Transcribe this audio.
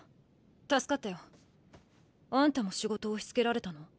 助かったよ。あんたも仕事押しつけられたの？